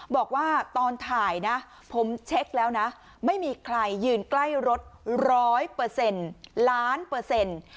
บอกว่าตอนถ่ายนะผมเช็คแล้วนะไม่มีใครยืนใกล้รถร้อยเปอร์เซ็นต์ล้านเปอร์เซ็นต์